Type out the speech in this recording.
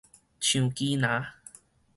橡棋林